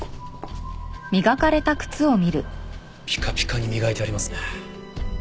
ピカピカに磨いてありますね。